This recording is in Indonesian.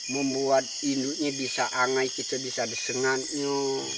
membuat induknya bisa anggai kita bisa disengatnya